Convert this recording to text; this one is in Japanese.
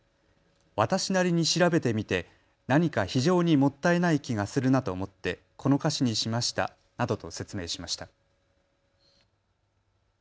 私なりに調べてみて何か非常にもったいない気がするなと思ってこの歌詞にしましたなどと説明しました。